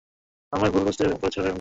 আমায় বুঝতে ভুল করেছো, ভিক্টর।